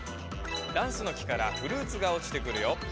ダンスの木からフルーツがおちてくるよ。